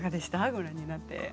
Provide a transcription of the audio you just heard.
ご覧になって。